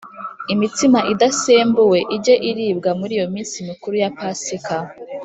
Imitsima idasembuwe ijye iribwa muri iyo minsi mikuru ya Pasika